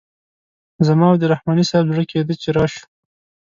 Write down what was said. زما او د رحماني صیب زړه کیده چې راشو.